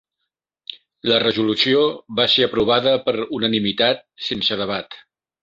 La resolució va ser aprovada per unanimitat sense debat.